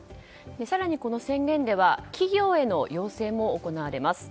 更に、この宣言では企業への要請も行われます。